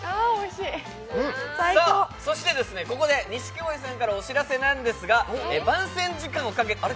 ここで錦鯉さんからお知らせなんですが番宣時間をかけて、あれ？